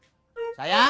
buka liur mandisan